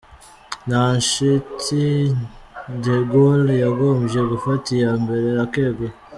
Nta nshiti, De Gaule yagombye gufata iya mbere akegura.